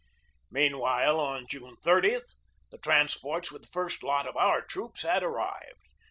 Meanwhile, on June 30, the transports with the first lot of our troops had ar rived.